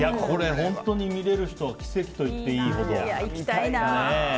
これ本当に見れる人奇跡と言っていいほど。